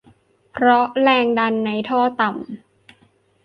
เพราะแรงดันในท่อต่ำ